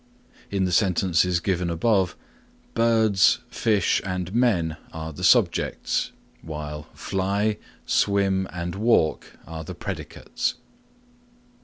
In the sentences given, birds, fish and men are the subjects, while fly, swim and walk are the predicates.